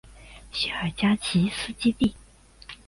谢尔加奇斯基区。